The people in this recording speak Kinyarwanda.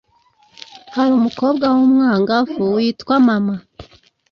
hari umukobwa w umwangavu witwa mama